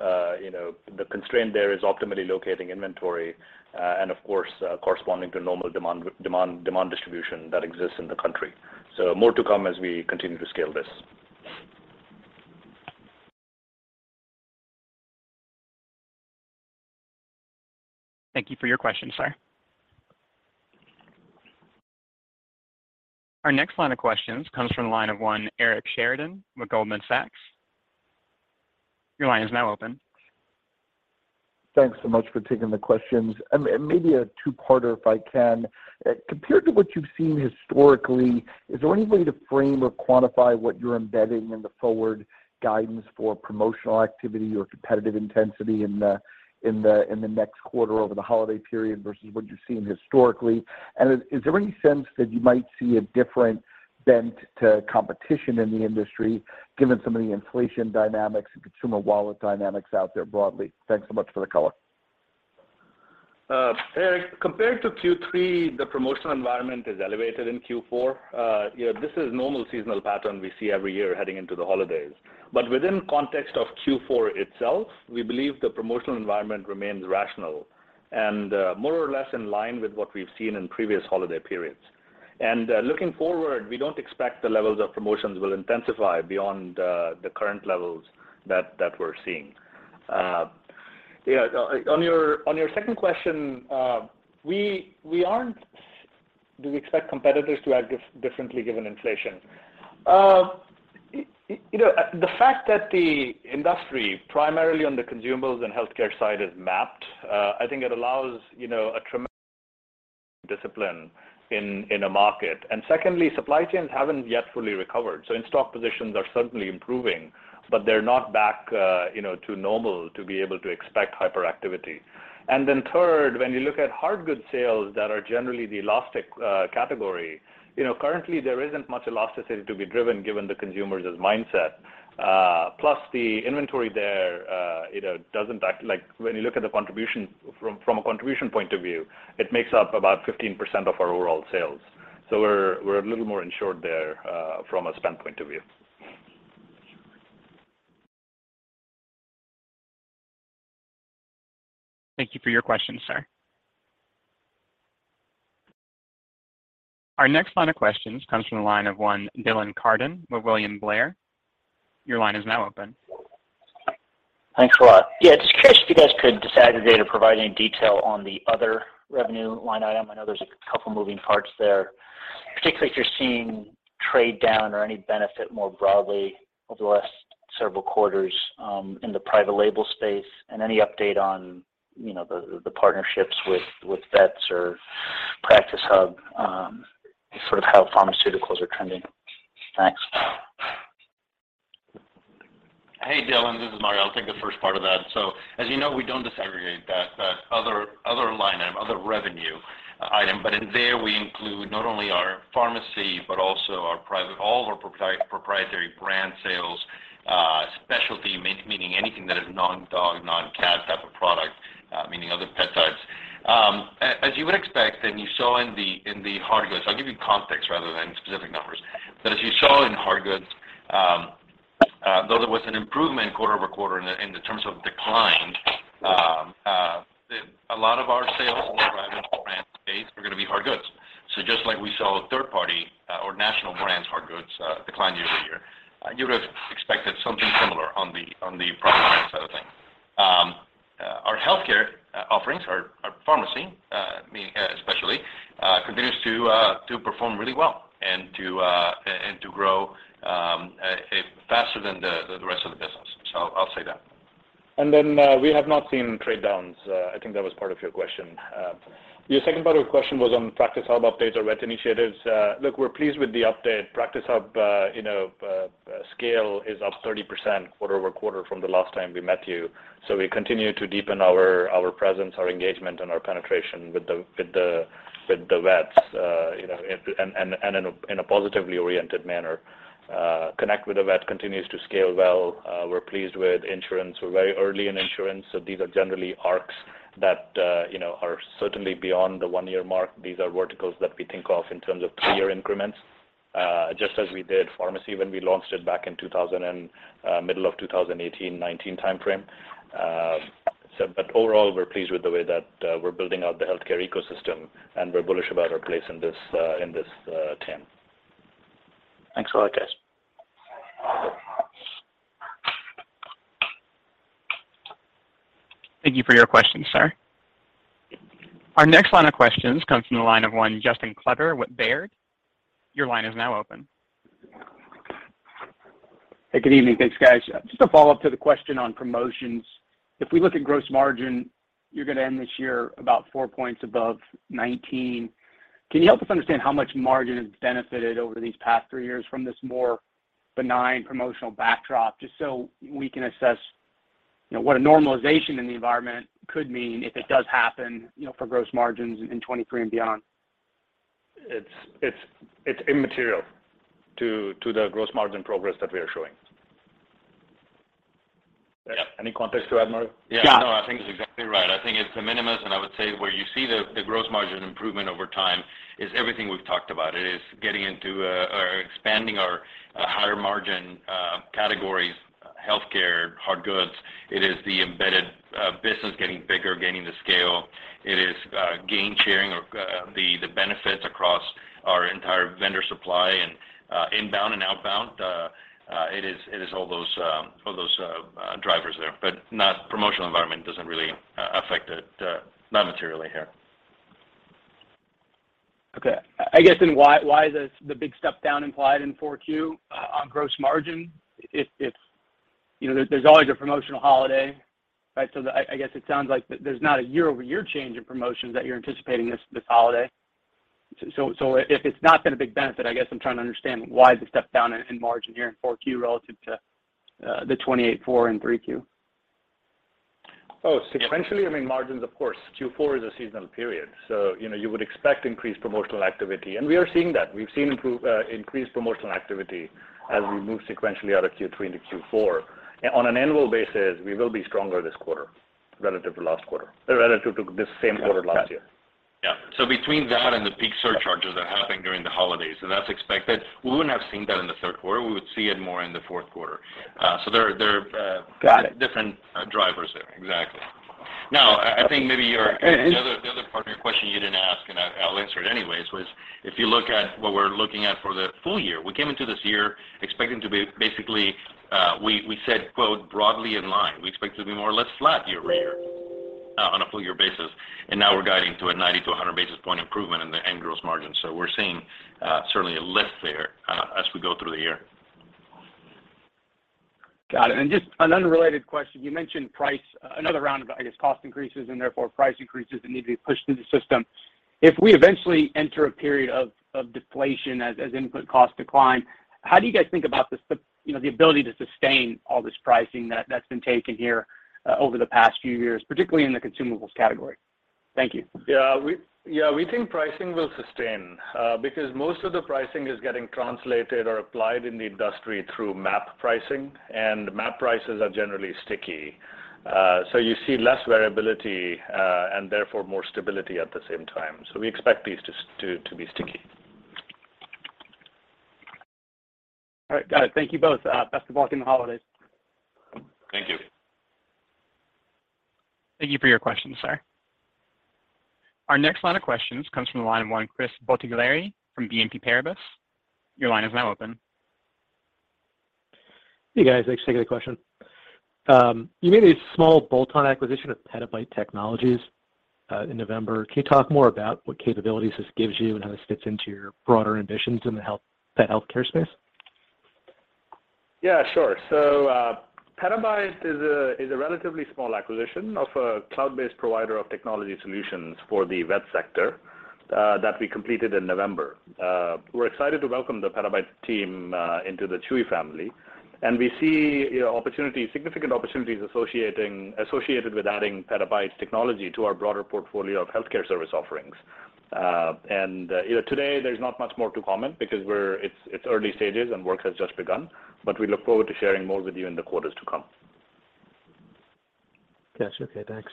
S3: You know, the constraint there is optimally locating inventory, and of course, corresponding to normal demand distribution that exists in the country. More to come as we continue to scale this.
S1: Thank you for your question, sir. Our next line of questions comes from the line of one Eric Sheridan with Goldman Sachs. Your line is now open.
S12: Thanks so much for taking the questions. Maybe a two-parter if I can. Compared to what you've seen historically, is there any way to frame or quantify what you're embedding in the forward guidance for promotional activity or competitive intensity in the next quarter over the holiday period versus what you've seen historically? Is there any sense that you might see a different bent to competition in the industry given some of the inflation dynamics and consumer wallet dynamics out there broadly? Thanks so much for the color.
S3: Eric, compared to Q3, the promotional environment is elevated in Q4. you know, this is normal seasonal pattern we see every year heading into the holidays. Within context of Q4 itself, we believe the promotional environment remains rational and, more or less in line with what we've seen in previous holiday periods. Looking forward, we don't expect the levels of promotions will intensify beyond the current levels that we're seeing. On your second question, Do we expect competitors to act differently given inflation? the fact that the industry, primarily on the consumables and healthcare side, is MAP, I think it allows, you know, a tremendous discipline in a market. Secondly, supply chains haven't yet fully recovered. In-stock positions are certainly improving, but they're not back, you know, to normal to be able to expect hyperactivity. Third, when you look at hard goods sales that are generally the elastic category, you know, currently there isn't much elasticity to be driven given the consumers' mindset. Plus the inventory there, you know, doesn't act. Like, when you look at the contribution from a contribution point of view, it makes up about 15% of our overall sales. We're a little more insured there from a spend point of view.
S1: Thank you for your question, sir. Our next line of questions comes from the line of one Dylan Carden with William Blair. Your line is now open.
S13: Thanks a lot. Yeah, just curious if you guys could disaggregate or provide any detail on the other revenue line item. I know there's a couple moving parts there, particularly if you're seeing trade down or any benefit more broadly over the last several quarters, in the private label space and any update on, you know, the partnerships with vets or Practice Hub, sort of how pharmaceuticals are trending? Thanks.
S4: Hey, Dylan, this is Mario. I'll take the first part of that. As you know, we don't disaggregate that other line item, other revenue item, but in there, we include not only our pharmacy, but also all of our proprietary brand sales, specialty, meaning anything that is non-dog, non-cat type of product, meaning other pet types. As you would expect, and you saw in the hard goods, I'll give you context rather than specific numbers. As you saw in hard goods, though there was an improvement quarter-over-quarter in the terms of decline, a lot of our sales in the private brand space were gonna be hard goods. Just like we saw with third party, or national brands hard goods, decline year-over-year, you would have expected something similar on the private brand side of things. Our healthcare offerings, our pharmacy, especially, continues to perform really well and to grow faster than the rest of the business. I'll say that.
S3: We have not seen trade downs. I think that was part of your question. Your second part of the question was on Practice Hub updates or vet initiatives. Look, we're pleased with the update. Practice Hub, you know, scale is up 30% quarter-over-quarter from the last time we met you. We continue to deepen our presence, our engagement, and our penetration with the vets, you know, and in a positively oriented manner. Connect with a Vet continues to scale well. We're pleased with insurance. We're very early in insurance, so these are generally arcs that, you know, are certainly beyond the one-year mark. These are verticals that we think of in terms of three-year increments, just as we did pharmacy when we launched it back in middle of 2018, 19 timeframe. Overall, we're pleased with the way that we're building out the healthcare ecosystem, and we're bullish about our place in this, in this, TAM.
S13: Thanks a lot, guys.
S1: Thank you for your question, sir. Our next line of questions comes from the line of one Justin Kleber with Baird. Your line is now open.
S14: Hey, good evening. Thanks, guys. Just a follow-up to the question on promotions. If we look at gross margin, you're gonna end this year about four points above 19. Can you help us understand how much margin has benefited over these past three years from this more benign promotional backdrop, just so we can assess, you know, what a normalization in the environment could mean if it does happen, you know, for gross margins in 2023 and beyond?
S3: It's immaterial to the gross margin progress that we are showing.
S14: Yeah.
S3: Any context to add, Mario?
S4: Yeah.
S3: Yeah.
S4: No, I think he's exactly right. I think it's de minimis, and I would say where you see the gross margin improvement over time is everything we've talked about. It is getting into or expanding our higher margin categories, healthcare, hard goods. It is the embedded business getting bigger, gaining the scale. It is gain sharing or the benefits across our entire vendor supply and inbound and outbound. It is all those drivers there, but not promotional environment doesn't really affect it, not materially here.
S14: Okay. I guess why is this the big step down implied in 4Q on gross margin? If, you know, there's always a promotional holiday, right? I guess it sounds like there's not a year-over-year change in promotions that you're anticipating this holiday. If it's not been a big benefit, I guess I'm trying to understand why the step down in margin here in 4Q relative to the 28/4 in 3Q.
S3: Sequentially, I mean, margins, of course, Q4 is a seasonal period. You know, you would expect increased promotional activity, and we are seeing that. We've seen increased promotional activity as we move sequentially out of Q3 into Q4. On an annual basis, we will be stronger this quarter relative to last quarter, relative to this same quarter last year.
S4: Yeah. Between that and the peak surcharges that happen during the holidays, that's expected. We wouldn't have seen that in the third quarter. We would see it more in the fourth quarter. There
S14: Got it....
S4: different drivers there. Exactly. Now, I think maybe.
S14: And, and-
S4: The other part of your question you didn't ask, and I'll answer it anyways, was if you look at what we're looking at for the full year, we came into this year expecting to be basically, we said, quote, "Broadly in line." We expect to be more or less flat year-over-year on a full year basis, and now we're guiding to a 90 basis points-100 basis point improvement in the end gross margin. We're seeing certainly a lift there as we go through the year.
S14: Got it. Just an unrelated question. You mentioned price, another round of, I guess, cost increases and therefore price increases that need to be pushed through the system. If we eventually enter a period of deflation as input costs decline, how do you guys think about you know, the ability to sustain all this pricing that's been taken here over the past few years, particularly in the consumables category? Thank you.
S3: Yeah. Yeah, we think pricing will sustain because most of the pricing is getting translated or applied in the industry through MAP pricing, and MAP prices are generally sticky. You see less variability and therefore more stability at the same time. We expect these to be sticky.
S14: All right. Got it. Thank you both. Best of luck in the holidays.
S4: Thank you.
S1: Thank you for your question, sir. Our next line of questions comes from the line one, Chris Bottiglieri from BNP Paribas. Your line is now open.
S15: Hey, guys. Thanks. Take a question. You made a small bolt-on acquisition of Petabyte Technology, in November. Can you talk more about what capabilities this gives you and how this fits into your broader ambitions in the health, pet healthcare space?
S3: Sure. Petabyte is a relatively small acquisition of a cloud-based provider of technology solutions for the vet sector that we completed in November. We're excited to welcome the Petabyte team into the Chewy family, and we see significant opportunities associated with adding Petabyte's technology to our broader portfolio of healthcare service offerings. You know, today, there's not much more to comment because it's early stages, and work has just begun, but we look forward to sharing more with you in the quarters to come.
S15: Got you. Okay. Thanks.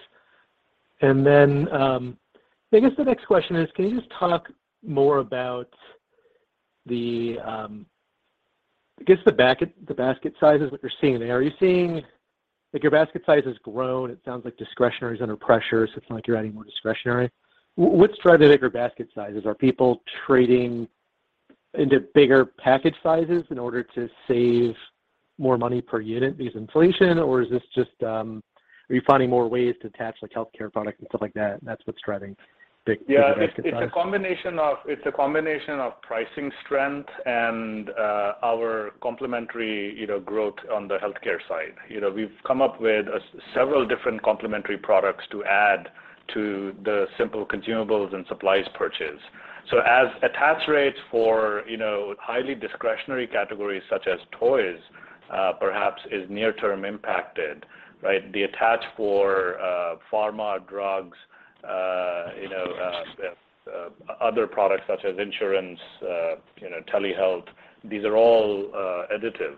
S15: I guess the next question is, can you just talk more about the, I guess the basket size is what you're seeing there. Are you seeing? Like, your basket size has grown. It sounds like discretionary is under pressure, so it's not like you're adding more discretionary. What's driving bigger basket sizes? Are people trading into bigger package sizes in order to save more money per unit because inflation? Or is this just, are you finding more ways to attach like healthcare product and stuff like that, and that's what's driving.
S3: Yeah. It's a combination of pricing strength and our complementary, you know, growth on the healthcare side. You know, we've come up with several different complementary products to add to the simple consumables and supplies purchase. As attach rates for, you know, highly discretionary categories such as toys, perhaps is near term impacted, right, the attach for pharma, drugs, you know, other products such as insurance, you know, telehealth, these are all additive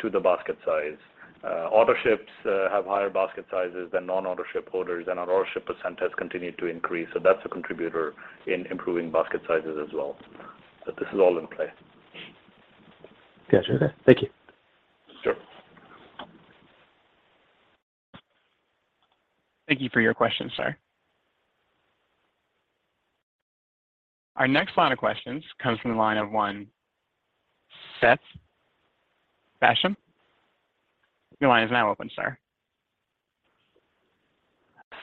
S3: to the basket size. Autoships have higher basket sizes than non-Autoship orders, and our Autoship % has continued to increase, so that's a contributor in improving basket sizes as well. This is all in play.
S15: Gotcha. Okay. Thank you.
S4: Sure.
S1: Thank you for your question, sir. Our next line of questions comes from the line of one Seth Basham. Your line is now open, sir.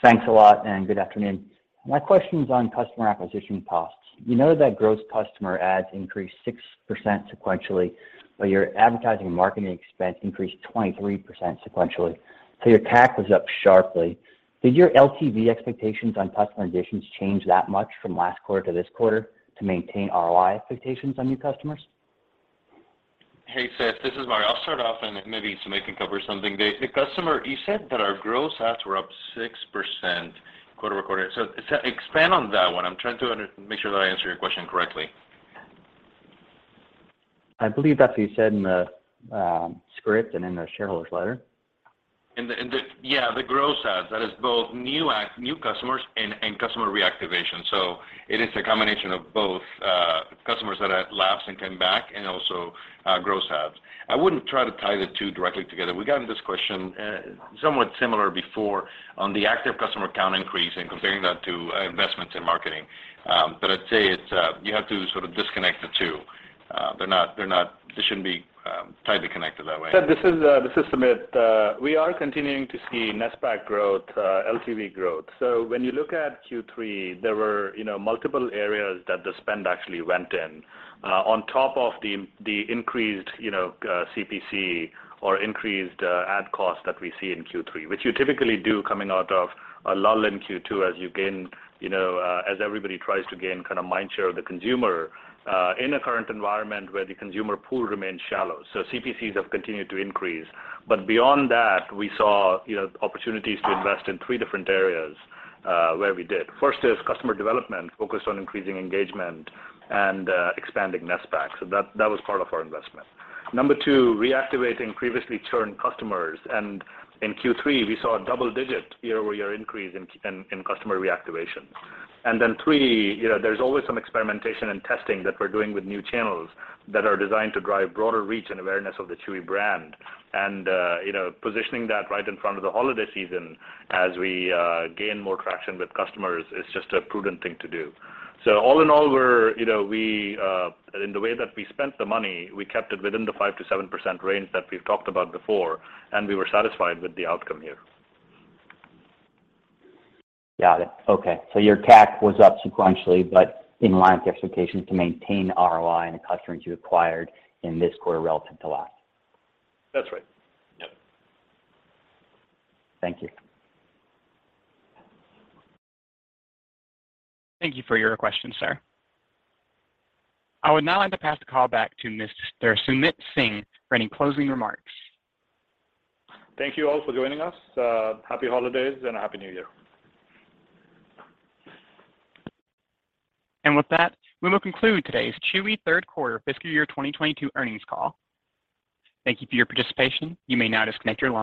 S16: Thanks a lot, good afternoon. My question's on customer acquisition costs. We know that gross customer ads increased 6% sequentially, your advertising and marketing expense increased 23% sequentially. Your CAC was up sharply. Did your LTV expectations on customer additions change that much from last quarter to this quarter to maintain ROI expectations on new customers?
S4: Hey, Seth, this is Mario. I'll start off, and maybe Sumit can cover something. You said that our gross adds were up 6% quarter-over-quarter. Expand on that one. I'm trying to make sure that I answer your question correctly.
S16: I believe that's what you said in the script and in the shareholder's letter.
S4: In the... Yeah, the gross adds. That is both new customers and customer reactivation. It is a combination of both, customers that have lapsed and came back and also gross adds. I wouldn't try to tie the two directly together. We got this question, somewhat similar before on the active customer count increase and comparing that to investments in marketing. I'd say it's, you have to sort of disconnect the two. They're not, they shouldn't be, tightly connected that way.
S3: Seth, this is, this is Sumit. We are continuing to see net spend growth, LTV growth. When you look at Q3, there were, you know, multiple areas that the spend actually went in, on top of the increased, you know, CPC or increased ad costs that we see in Q3, which you typically do coming out of a lull in Q2 as you gain, you know, as everybody tries to gain kinda mind share of the consumer, in a current environment where the consumer pool remains shallow. CPCs have continued to increase. But beyond that, we saw, you know, opportunities to invest in three different areas, where we did. First is customer development focused on increasing engagement and expanding net spend. That, that was part of our investment. Number two, reactivating previously churned customers. In Q3, we saw a double-digit year-over-year increase in customer reactivation. Then three, you know, there's always some experimentation and testing that we're doing with new channels that are designed to drive broader reach and awareness of the Chewy brand. You know, positioning that right in front of the holiday season as we gain more traction with customers is just a prudent thing to do. All in all we're, you know, we In the way that we spent the money, we kept it within the 5%-7% range that we've talked about before, and we were satisfied with the outcome here.
S16: Got it. Okay. Your CAC was up sequentially, but in line with your expectations to maintain ROI in the customers you acquired in this quarter relative to last?
S3: That's right.
S4: Yep.
S16: Thank you.
S1: Thank you for your question, sir. I would now like to pass the call back to Mr. Sumit Singh for any closing remarks.
S3: Thank you all for joining us. Happy holidays and a happy new year.
S1: With that, we will conclude today's Chewy third quarter fiscal year 2022 earnings call. Thank you for your participation. You may now disconnect your line.